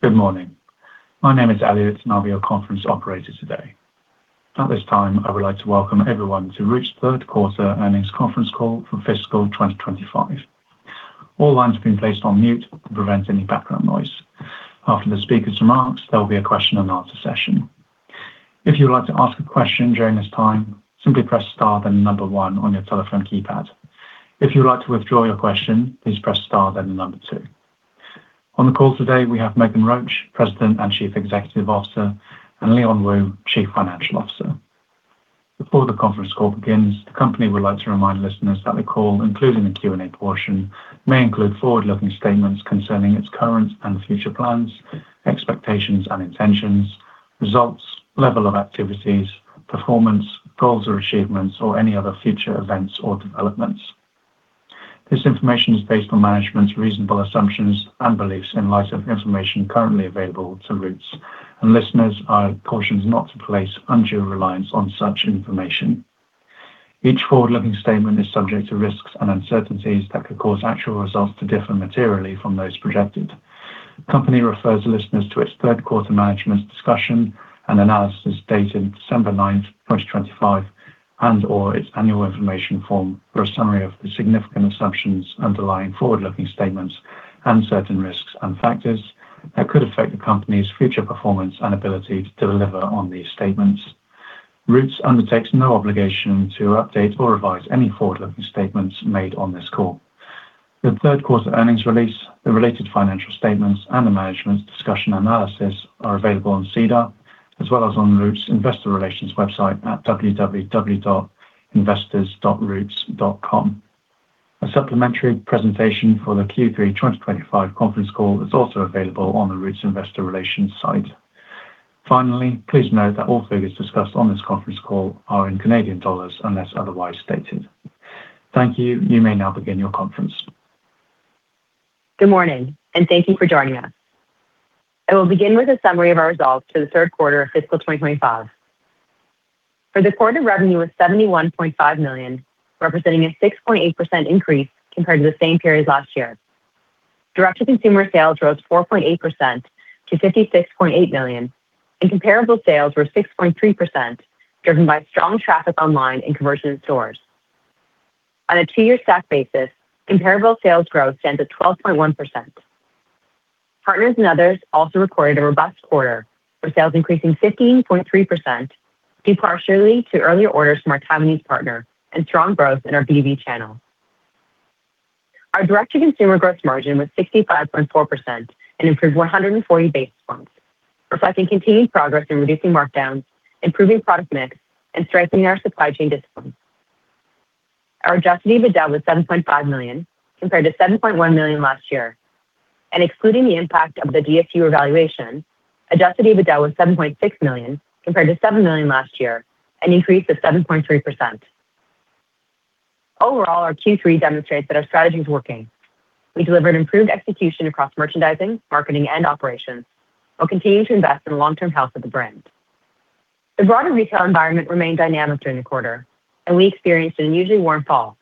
Good morning. My name is Elliot, and I'll be your conference operator today. At this time, I would like to welcome everyone to Roots' third quarter earnings conference call for fiscal 2025. All lines have been placed on mute to prevent any background noise. After the speaker's remarks, there will be a question-and-answer session. If you would like to ask a question during this time, simply press star then the number one on your telephone keypad. If you would like to withdraw your question, please press star then the number two. On the call today, we have Meghan Roach, President and Chief Executive Officer, and Leon Wu, Chief Financial Officer. Before the conference call begins, the company would like to remind listeners that the call, including the Q&A portion, may include forward-looking statements concerning its current and future plans, expectations and intentions, results, level of activities, performance, goals or achievements, or any other future events or developments. This information is based on management's reasonable assumptions and beliefs in light of information currently available to Roots, and listeners are cautioned not to place undue reliance on such information. Each forward-looking statement is subject to risks and uncertainties that could cause actual results to differ materially from those projected. The company refers listeners to its third quarter management's discussion and analysis dated December 9th, 2025, and/or its annual information form for a summary of the significant assumptions underlying forward-looking statements and certain risks and factors that could affect the company's future performance and ability to deliver on these statements. Roots undertakes no obligation to update or revise any forward-looking statements made on this call. The third quarter earnings release, the related financial statements, and the Management's Discussion and Analysis are available on SEDAR, as well as on Roots' investor relations website at www.investors.roots.com. A supplementary presentation for the Q3 2025 conference call is also available on the Roots' investor relations site. Finally, please note that all figures discussed on this conference call are in Canadian dollars unless otherwise stated. Thank you. You may now begin your conference. Good morning, and thank you for joining us. I will begin with a summary of our results for the third quarter of fiscal 2025. For the quarter, revenue was 71.5 million, representing a 6.8% increase compared to the same period last year. Direct-to-consumer sales rose 4.8% to 56.8 million, and comparable sales were 6.3%, driven by strong traffic online and conversion in stores. On a two-year stack basis, comparable sales growth stands at 12.1%. Partners and others also recorded a robust quarter, with sales increasing 15.3%, due partially to earlier orders from our Taiwanese partner and strong growth in our B2B channel. Our direct-to-consumer gross margin was 65.4% and improved 140 basis points, reflecting continued progress in reducing markdowns, improving product mix, and strengthening our supply chain discipline. Our Adjusted EBITDA was 7.5 million, compared to 7.1 million last year. And excluding the impact of the DSU revaluation, Adjusted EBITDA was 7.6 million, compared to 7 million last year, an increase of 7.3%. Overall, our Q3 demonstrates that our strategy is working. We delivered improved execution across merchandising, marketing, and operations, while continuing to invest in the long-term health of the brand. The broader retail environment remained dynamic during the quarter, and we experienced an unusually warm fall.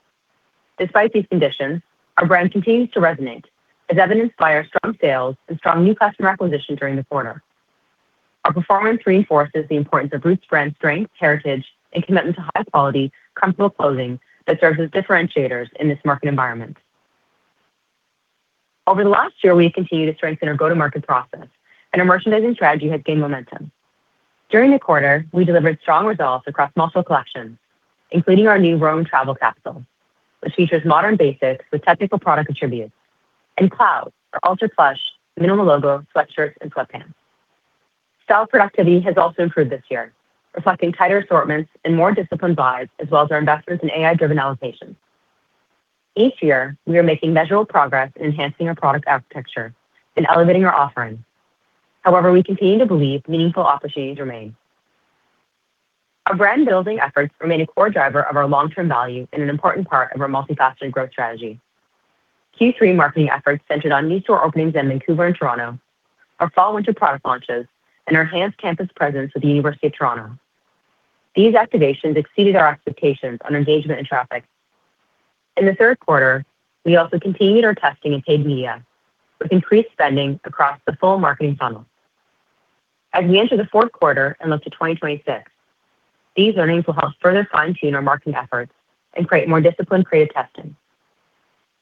Despite these conditions, our brand continues to resonate, as evidenced by our strong sales and strong new customer acquisition during the quarter. Our performance reinforces the importance of Roots' brand strength, heritage, and commitment to high-quality, comfortable clothing that serves as differentiators in this market environment. Over the last year, we have continued to strengthen our go-to-market process, and our merchandising strategy has gained momentum. During the quarter, we delivered strong results across multiple collections, including our new Roaming travel capsule, which features modern basics with technical product attributes, and Clouds are ultra-plush, minimal logo sweatshirts and sweatpants. Style productivity has also improved this year, reflecting tighter assortments and more disciplined vibes, as well as our investments in AI-driven allocations. Each year, we are making measurable progress in enhancing our product architecture and elevating our offering. However, we continue to believe meaningful opportunities remain. Our brand-building efforts remain a core driver of our long-term value and an important part of our multifaceted growth strategy. Q3 marketing efforts centered on new store openings in Vancouver and Toronto, our fall/winter product launches, and our enhanced campus presence with the University of Toronto. These activations exceeded our expectations on engagement and traffic. In the third quarter, we also continued our testing in paid media, with increased spending across the full marketing funnel. As we enter the fourth quarter and look to 2026, these earnings will help further fine-tune our marketing efforts and create more disciplined creative testing.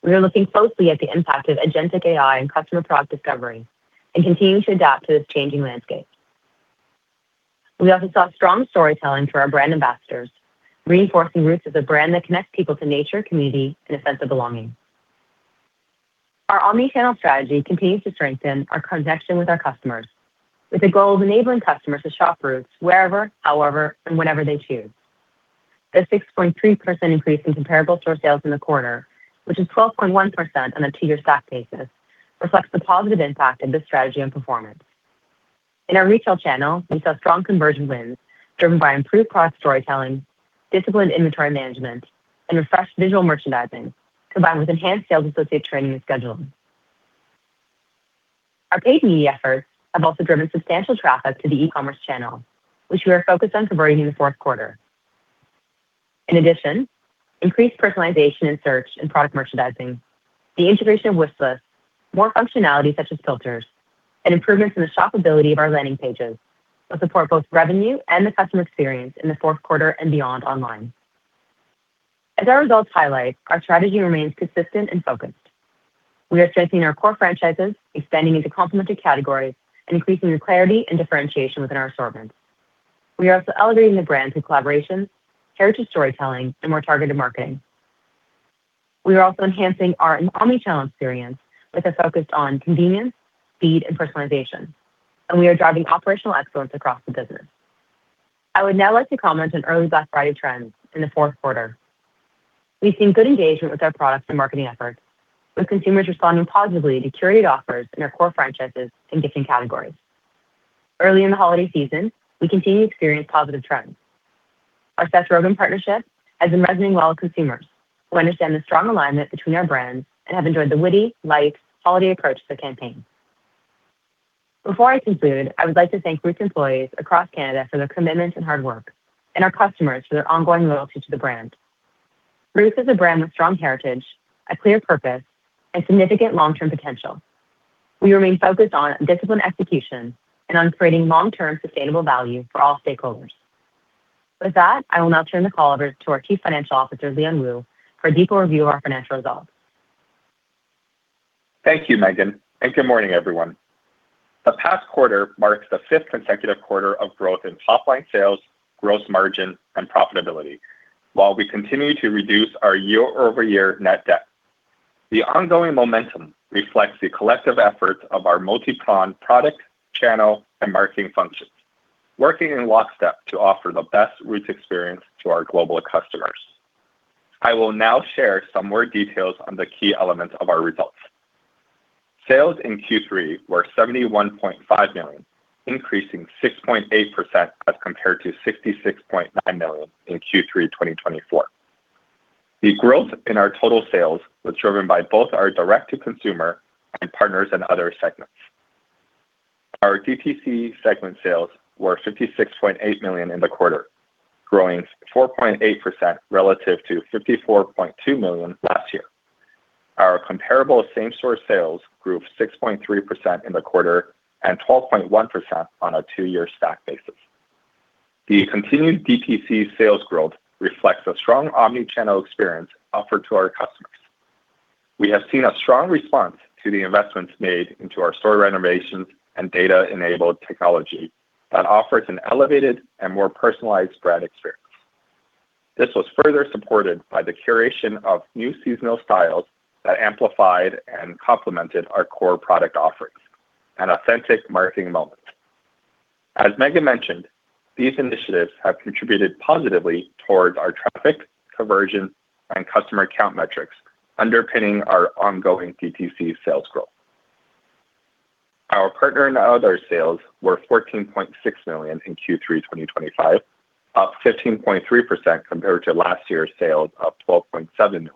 We are looking closely at the impact of agentic AI and customer product discovery and continuing to adapt to this changing landscape. We also saw strong storytelling through our brand ambassadors, reinforcing Roots as a brand that connects people to nature, community, and a sense of belonging. Our omnichannel strategy continues to strengthen our connection with our customers, with the goal of enabling customers to shop Roots wherever, however, and whenever they choose. The 6.3% increase in comparable store sales in the quarter, which is 12.1% on a two-year stack basis, reflects the positive impact of this strategy on performance. In our retail channel, we saw strong conversion wins driven by improved product storytelling, disciplined inventory management, and refreshed visual merchandising, combined with enhanced sales associate training and scheduling. Our paid media efforts have also driven substantial traffic to the e-commerce channel, which we are focused on converting in the fourth quarter. In addition, increased personalization and search in product merchandising, the integration of wish lists, more functionality such as filters, and improvements in the shoppability of our landing pages will support both revenue and the customer experience in the fourth quarter and beyond online. As our results highlight, our strategy remains consistent and focused. We are strengthening our core franchises, expanding into complementary categories, and increasing the clarity and differentiation within our assortments. We are also elevating the brand through collaboration, heritage storytelling, and more targeted marketing. We are also enhancing our omnichannel experience with a focus on convenience, speed, and personalization, and we are driving operational excellence across the business. I would now like to comment on early Black Friday trends in the fourth quarter. We've seen good engagement with our products and marketing efforts, with consumers responding positively to curated offers in our core franchises and gifting categories. Early in the holiday season, we continue to experience positive trends. Our Seth Rogen partnership has been resonating well with consumers, who understand the strong alignment between our brands and have enjoyed the witty, light, holiday approach to the campaign. Before I conclude, I would like to thank Roots employees across Canada for their commitment and hard work, and our customers for their ongoing loyalty to the brand. Roots is a brand with strong heritage, a clear purpose, and significant long-term potential. We remain focused on discipline execution and on creating long-term sustainable value for all stakeholders. With that, I will now turn the call over to our Chief Financial Officer, Leon Wu, for a detailed review of our financial results. Thank you, Meghan. And good morning, everyone. The past quarter marked the fifth consecutive quarter of growth in top-line sales, gross margin, and profitability, while we continue to reduce our year-over-year net debt. The ongoing momentum reflects the collective efforts of our multi-pronged product, channel, and marketing functions, working in lockstep to offer the best Roots experience to our global customers. I will now share some more details on the key elements of our results. Sales in Q3 were 71.5 million, increasing 6.8% as compared to 66.9 million in Q3 2024. The growth in our total sales was driven by both our direct-to-consumer and partners and other segments. Our DTC segment sales were 56.8 million in the quarter, growing 4.8% relative to 54.2 million last year. Our comparable same-store sales grew 6.3% in the quarter and 12.1% on a two-year stack basis. The continued DTC sales growth reflects a strong omnichannel experience offered to our customers. We have seen a strong response to the investments made into our store renovations and data-enabled technology that offers an elevated and more personalized brand experience. This was further supported by the curation of new seasonal styles that amplified and complemented our core product offerings and authentic marketing moments. As Meghan mentioned, these initiatives have contributed positively towards our traffic, conversion, and customer account metrics, underpinning our ongoing DTC sales growth. Our partner and other sales were 14.6 million in Q3 2025, up 15.3% compared to last year's sales of 12.7 million.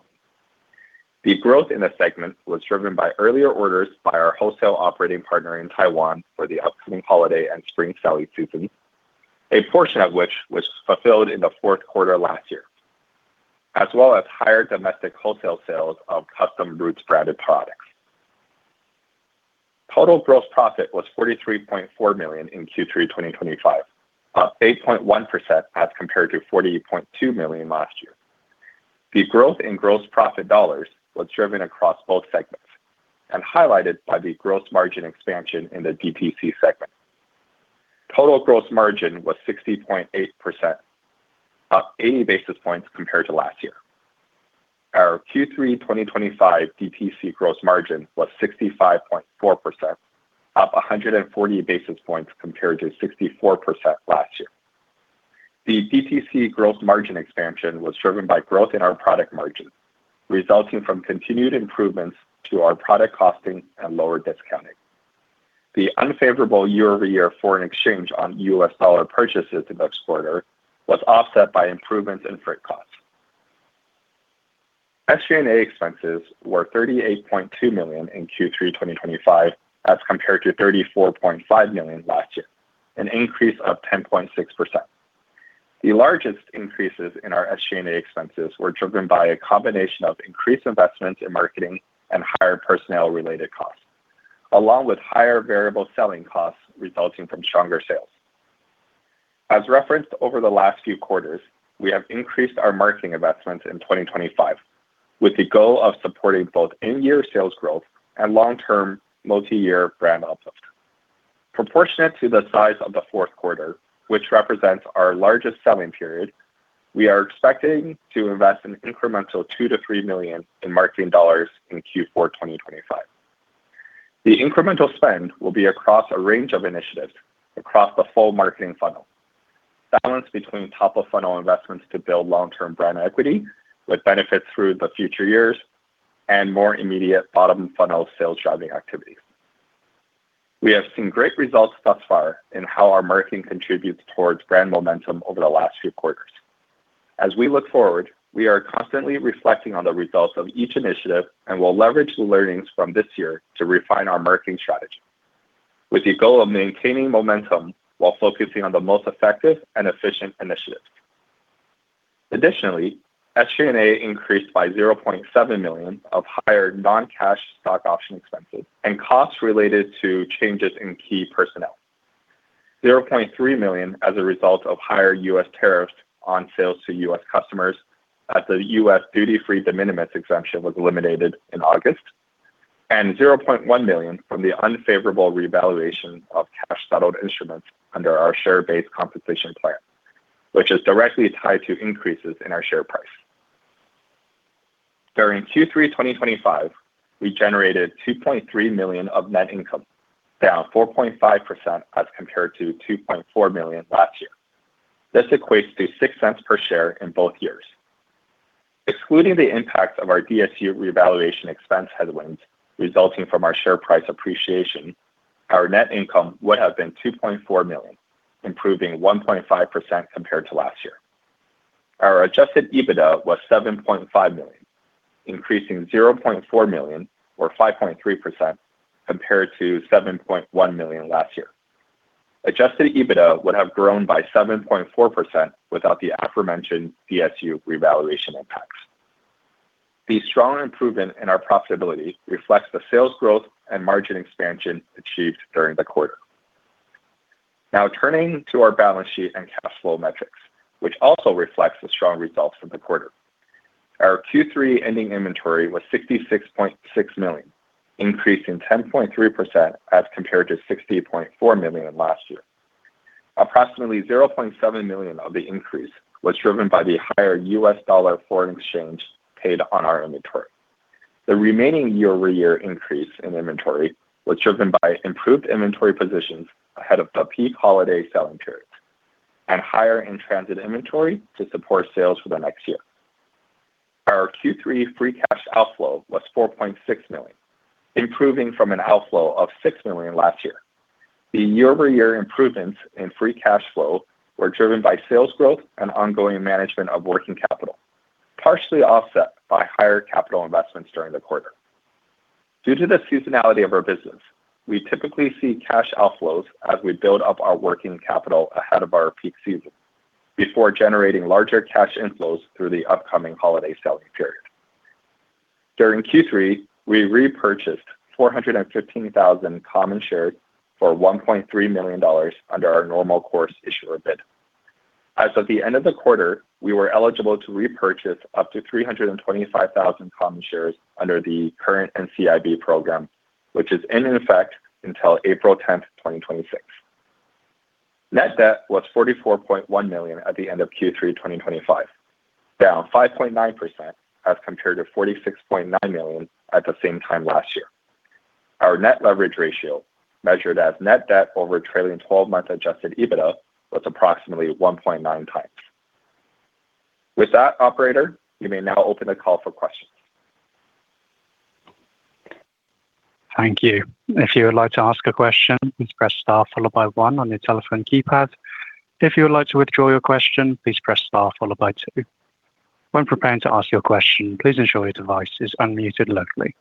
The growth in the segment was driven by earlier orders by our wholesale operating partner in Taiwan for the upcoming holiday and spring selling season, a portion of which was fulfilled in the fourth quarter last year, as well as higher domestic wholesale sales of custom Roots branded products. Total gross profit was 43.4 million in Q3 2025, up 8.1% as compared to 40.2 million last year. The growth in gross profit dollars was driven across both segments and highlighted by the gross margin expansion in the DTC segment. Total gross margin was 60.8%, up 80 basis points compared to last year. Our Q3 2025 DTC gross margin was 65.4%, up 140 basis points compared to 64% last year. The DTC gross margin expansion was driven by growth in our product margins, resulting from continued improvements to our product costing and lower discounting. The unfavorable year-over-year foreign exchange on US dollar purchases in the next quarter was offset by improvements in freight costs. SG&A expenses were 38.2 million in Q3 2025 as compared to 34.5 million last year, an increase of 10.6%. The largest increases in our SG&A expenses were driven by a combination of increased investments in marketing and higher personnel-related costs, along with higher variable selling costs resulting from stronger sales. As referenced over the last few quarters, we have increased our marketing investments in 2025, with the goal of supporting both in-year sales growth and long-term multi-year brand uplift. Proportionate to the size of the fourth quarter, which represents our largest selling period, we are expecting to invest an incremental 2 million-3 million in marketing dollars in Q4 2025. The incremental spend will be across a range of initiatives across the full marketing funnel, balanced between top-of-funnel investments to build long-term brand equity with benefits through the future years and more immediate bottom-funnel sales-driving activities. We have seen great results thus far in how our marketing contributes towards brand momentum over the last few quarters. As we look forward, we are constantly reflecting on the results of each initiative and will leverage the learnings from this year to refine our marketing strategy, with the goal of maintaining momentum while focusing on the most effective and efficient initiatives. Additionally, SG&A increased by 0.7 million of higher non-cash stock option expenses and costs related to changes in key personnel, 0.3 million as a result of higher U.S. tariffs on sales to U.S. customers as the U.S. duty-free de minimis exemption was eliminated in August, and 0.1 million from the unfavorable revaluation of cash-settled instruments under our share-based compensation plan, which is directly tied to increases in our share price. During Q3 2025, we generated 2.3 million of net income, down 4.5% as compared to 2.4 million last year. This equates to 0.06 per share in both years. Excluding the impacts of our DSU revaluation expense headwinds resulting from our share price appreciation, our net income would have been 2.4 million, improving 1.5% compared to last year. Our Adjusted EBITDA was 7.5 million, increasing 0.4 million or 5.3% compared to 7.1 million last year. Adjusted EBITDA would have grown by 7.4% without the aforementioned DSU revaluation impacts. The strong improvement in our profitability reflects the sales growth and margin expansion achieved during the quarter. Now turning to our balance sheet and cash flow metrics, which also reflects the strong results for the quarter. Our Q3 ending inventory was 66.6 million, increasing 10.3% as compared to 60.4 million last year. Approximately 0.7 million of the increase was driven by the higher US dollar foreign exchange paid on our inventory. The remaining year-over-year increase in inventory was driven by improved inventory positions ahead of the peak holiday selling period and higher in transit inventory to support sales for the next year. Our Q3 free cash outflow was 4.6 million, improving from an outflow of 6 million last year. The year-over-year improvements in free cash flow were driven by sales growth and ongoing management of working capital, partially offset by higher capital investments during the quarter. Due to the seasonality of our business, we typically see cash outflows as we build up our working capital ahead of our peak season before generating larger cash inflows through the upcoming holiday selling period. During Q3, we repurchased 415,000 common shares for 1.3 million dollars under our normal course issuer bid. As of the end of the quarter, we were eligible to repurchase up to 325,000 common shares under the current NCIB program, which is in effect until April 10, 2026. Net debt was 44.1 million at the end of Q3 2025, down 5.9% as compared to 46.9 million at the same time last year. Our net leverage ratio, measured as net debt over trailing 12-month Adjusted EBITDA, was approximately 1.9x. With that, Operator, you may now open the call for questions. Thank you. If you would like to ask a question, please press star followed by one on your telephone keypad. If you would like to withdraw your question, please press star followed by two. When preparing to ask your question, please ensure your device is unmuted locally.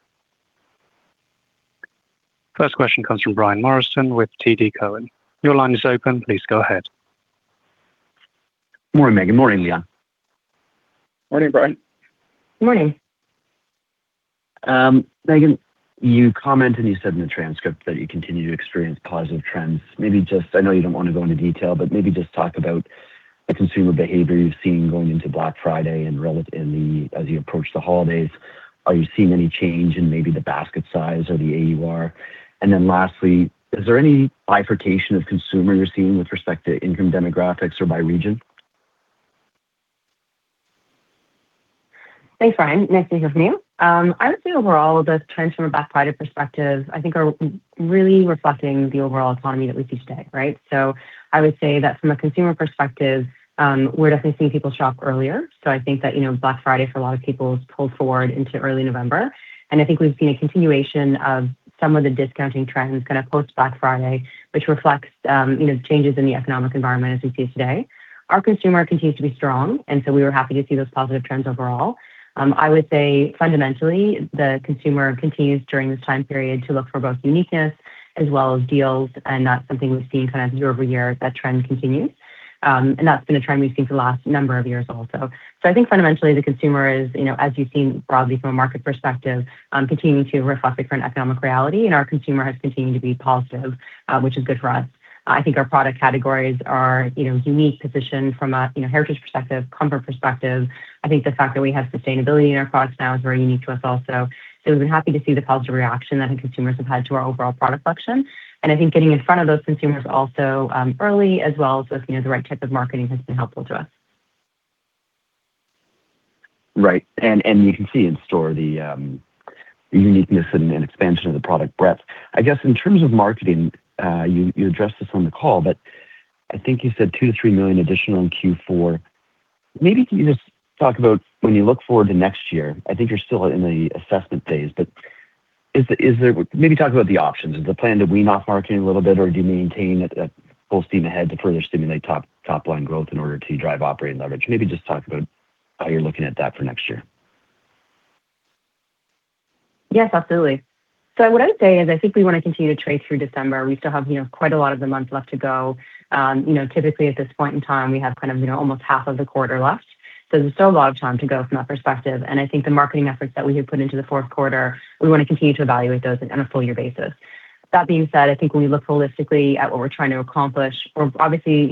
First question comes from Brian Morrison with TD Cowen. Your line is open. Please go ahead. Good morning, Meghan. Good morning, Leon. Morning, Brian. Good morning. Meghan, you commented, and you said in the transcript that you continue to experience positive trends. Maybe just, I know you don't want to go into detail, but maybe just talk about the consumer behavior you've seen going into Black Friday and as you approach the holidays. Are you seeing any change in maybe the basket size or the AUR? And then lastly, is there any bifurcation of consumer you're seeing with respect to income demographics or by region? Thanks, Brian. Nice to hear from you. I would say overall, the trends from a Black Friday perspective, I think, are really reflecting the overall economy that we see today, right? So I would say that from a consumer perspective, we're definitely seeing people shop earlier. So I think that Black Friday, for a lot of people, is pulled forward into early November. And I think we've seen a continuation of some of the discounting trends kind of post-Black Friday, which reflects changes in the economic environment as we see it today. Our consumer continues to be strong, and so we were happy to see those positive trends overall. I would say fundamentally, the consumer continues during this time period to look for both uniqueness as well as deals, and that's something we've seen kind of year-over-year that trend continues. That's been a trend we've seen for the last number of years also. So I think fundamentally, the consumer is, as you've seen broadly from a market perspective, continuing to reflect a current economic reality. And our consumer has continued to be positive, which is good for us. I think our product categories are uniquely positioned from a heritage perspective, comfort perspective. I think the fact that we have sustainability in our products now is very unique to us also. So we've been happy to see the positive reaction that consumers have had to our overall product selection. And I think getting in front of those consumers also early, as well as with the right type of marketing, has been helpful to us. Right, and you can see in-store the uniqueness and expansion of the product breadth. I guess in terms of marketing, you addressed this on the call, but I think you said 2 million- 3 million additional in Q4. Maybe, can you just talk about when you look forward to next year? I think you're still in the assessment phase, but maybe talk about the options. Is the plan to wean off marketing a little bit, or do you maintain full steam ahead to further stimulate top-line growth in order to drive operating leverage? Maybe just talk about how you're looking at that for next year. Yes, absolutely. So what I would say is I think we want to continue to trade through December. We still have quite a lot of the month left to go. Typically, at this point in time, we have kind of almost half of the quarter left. So there's still a lot of time to go from that perspective. And I think the marketing efforts that we have put into the fourth quarter, we want to continue to evaluate those on a full-year basis. That being said, I think when we look holistically at what we're trying to accomplish, we're obviously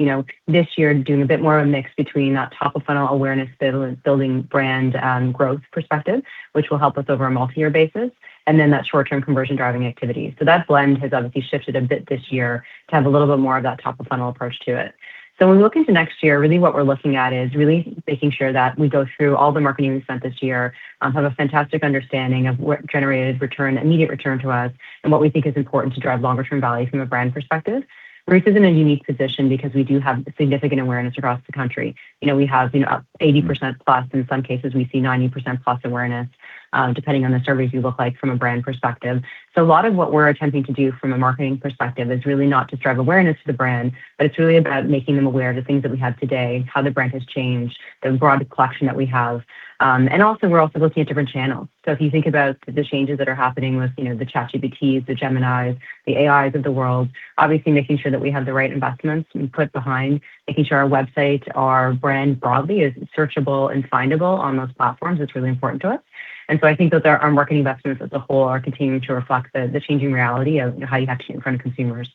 this year doing a bit more of a mix between that top-of-funnel awareness building brand growth perspective, which will help us over a multi-year basis, and then that short-term conversion-driving activity. So that blend has obviously shifted a bit this year to have a little bit more of that top-of-funnel approach to it. So when we look into next year, really what we're looking at is really making sure that we go through all the marketing we've spent this year, have a fantastic understanding of what generated immediate return to us, and what we think is important to drive longer-term value from a brand perspective. Roots is in a unique position because we do have significant awareness across the country. We have 80%+. In some cases, we see 90%+ awareness, depending on the surveys we look at from a brand perspective. So a lot of what we're attempting to do from a marketing perspective is really not to drive awareness for the brand, but it's really about making them aware of the things that we have today, how the brand has changed, the broad collection that we have. And also, we're also looking at different channels. So if you think about the changes that are happening with the ChatGPTs, the Geminis, the AIs of the world, obviously making sure that we have the right investments we put behind, making sure our website, our brand broadly is searchable and findable on those platforms is really important to us. And so I think that our marketing investments as a whole are continuing to reflect the changing reality of how you have to in front of consumers.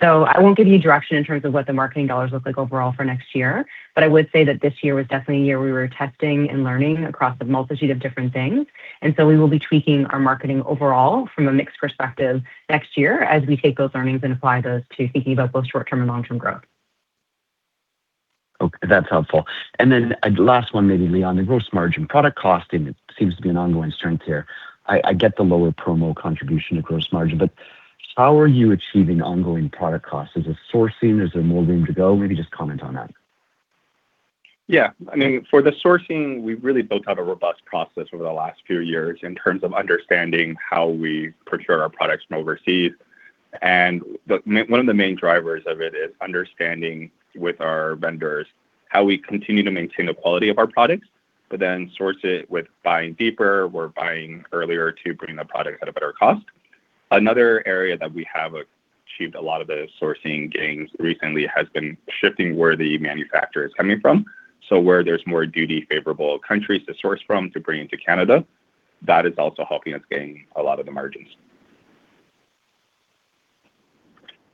So I won't give you direction in terms of what the marketing dollars look like overall for next year, but I would say that this year was definitely a year we were testing and learning across a multitude of different things. And so we will be tweaking our marketing overall from a mixed perspective next year as we take those learnings and apply those to thinking about both short-term and long-term growth. Okay. That's helpful. And then last one, maybe, Leon, the gross margin, product costing, it seems to be an ongoing strength here. I get the lower promo contribution to gross margin, but how are you achieving ongoing product costs? Is it sourcing? Is there more room to go? Maybe just comment on that. Yeah. I mean, for the sourcing, we really built out a robust process over the last few years in terms of understanding how we procure our products from overseas. And one of the main drivers of it is understanding with our vendors how we continue to maintain the quality of our products, but then source it with buying deeper or buying earlier to bring the product at a better cost. Another area that we have achieved a lot of the sourcing gains recently has been shifting where the manufacturer is coming from. So where there's more duty-favorable countries to source from to bring into Canada, that is also helping us gain a lot of the margins.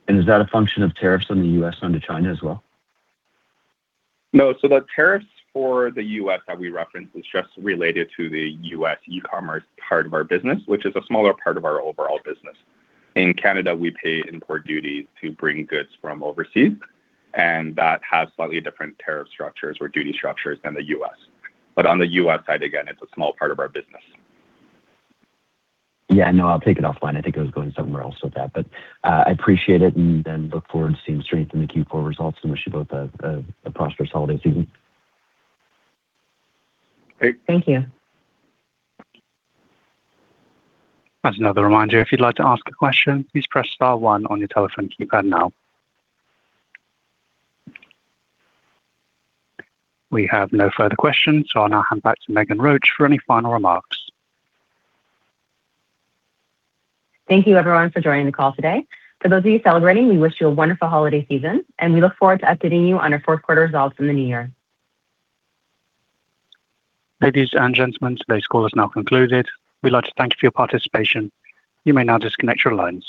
Is that a function of tariffs on the U.S. onto China as well? No. So the tariffs for the U.S. that we reference is just related to the U.S. e-commerce part of our business, which is a smaller part of our overall business. In Canada, we pay import duties to bring goods from overseas, and that has slightly different tariff structures or duty structures than the U.S. But on the U.S. side, again, it's a small part of our business. Yeah. No, I'll take it offline. I think I was going somewhere else with that, but I appreciate it and then look forward to seeing strength in the Q4 results. And wish you both a prosperous holiday season. Great. Thank you. As another reminder, if you'd like to ask a question, please press star one on your telephone keypad now. We have no further questions, so I'll now hand back to Meghan Roach for any final remarks. Thank you, everyone, for joining the call today. For those of you celebrating, we wish you a wonderful holiday season, and we look forward to updating you on our fourth-quarter results in the new year. Ladies and gentlemen, today's call is now concluded. We'd like to thank you for your participation. You may now disconnect your lines.